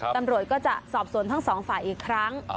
ตำรวจก็จะสอบสวนทั้งสองฝ่ายอีกครั้ง